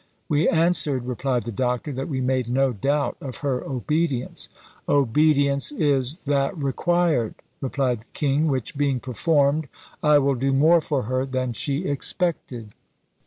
"We answered," replied the Doctor, "that we made no doubt of her obedience." "Obedience is that required," replied the king, "which being performed, I will do more for her than she expected."